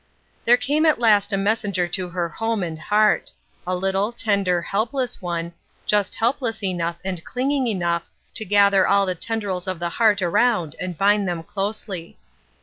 There came at last a messenger to her home and heart — a little, tender, helpless one, just helpless enough and clinging enough to gather all the tendrils of the heart around and bind them closely.